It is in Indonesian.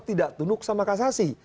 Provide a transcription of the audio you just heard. tidak tunduk sama kasasi